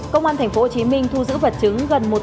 công an tp hcm thu giữ vật chứng gần một trăm linh